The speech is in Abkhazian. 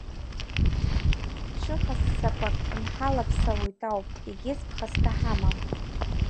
Ԥҽыхассақәак нҳалаԥсалоит ауп, егьыс ԥхасҭа ҳамам…